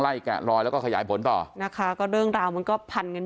แกะลอยแล้วก็ขยายผลต่อนะคะก็เรื่องราวมันก็พันกัน